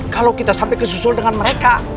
kalau kita sampai kesusul dengan mereka